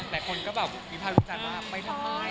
แต่คนก็แบบวิภารุจานว่าไปทำไม